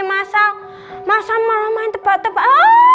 mas al malah main tebak tebak